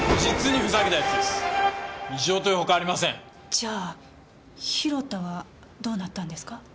じゃあ広田はどうなったんですか？